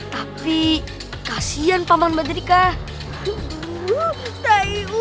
tapi kasihan paman badrika